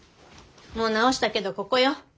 もう直したけどここよ。